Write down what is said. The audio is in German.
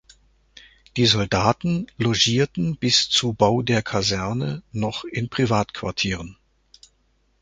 Die Soldaten logierten bis zu Bau der Kaserne noch in Privatquartieren.